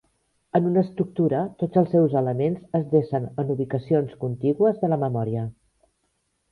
En una estructura, tots els seus elements es desen en ubicacions contigües de la memòria.